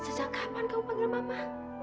sejak kapan kau panggil mama